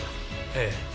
ええ。